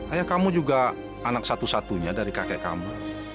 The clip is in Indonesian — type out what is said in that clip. ayah kamu juga anak satu satunya dari kakek kamu